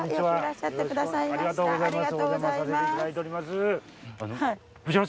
ありがとうございます。